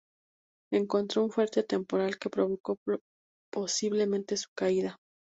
Encontró un fuerte temporal que provocó posiblemente su caída.